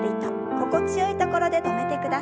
心地よいところで止めてください。